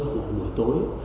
hoặc buổi tối